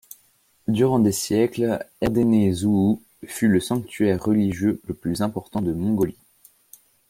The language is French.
Durant des siècles, Erdene Zuu fut le sanctuaire religieux le plus important de Mongolie.